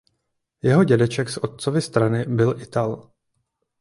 Jeho dědeček z otcovy strany byl Ital.